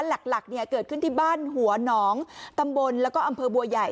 หลักเนี่ยเกิดขึ้นที่บ้านหัวหนองตำบลแล้วก็อำเภอบัวใหญ่